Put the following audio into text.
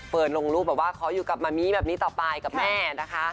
ลงรูปแบบว่าขออยู่กับมะมี่แบบนี้ต่อไปกับแม่นะคะ